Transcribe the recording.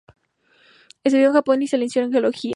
Estudió en Japón y se licenció en geología.